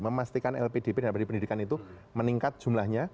memastikan lpdp dana abadi pendidikan itu meningkat jumlahnya